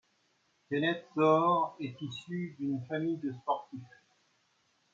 Kenneth Zohore est issu d'une famille de sportifs.